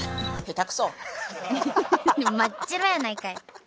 真っ白やないかい。